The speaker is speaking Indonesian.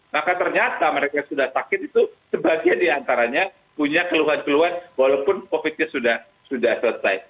maka ternyata mereka yang sudah sakit itu sebagian di antaranya punya keluhan keluhan walaupun covidnya sudah selesai